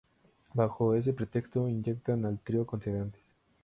Bajo ese pretexto, inyectan al trío con sedantes.